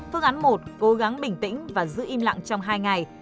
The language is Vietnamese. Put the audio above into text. phương án một cố gắng bình tĩnh và giữ im lặng trong hai ngày